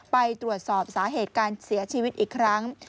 ไปตรวจสอบสาเหตุการเสียชีวิตอีกครั้ง